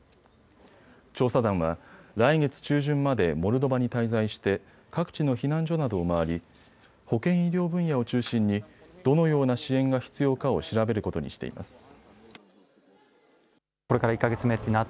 調査団は来月中旬までモルドバに滞在して各地の避難所などを回り保健医療分野を中心にどのような支援が必要かを調べることにしています。